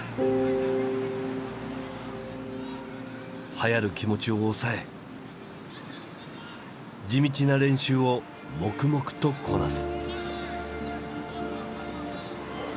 はやる気持ちをおさえ地道な練習を黙々とこなす。